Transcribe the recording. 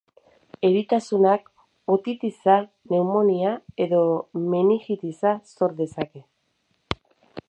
Eritasunak otitisa, pneumonia edo meningitisa sor dezake.